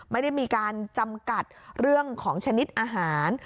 ไม่ได้มีการจำกัดเรื่องของชนิดอาหาร